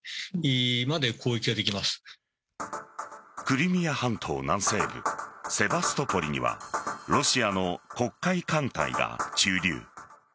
クリミア半島南西部セバストポリにはロシアの黒海艦隊が駐留。